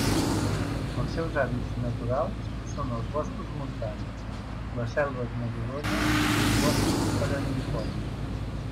Els seus hàbitats naturals són els boscos montans, les selves nebuloses i els boscos perennifolis.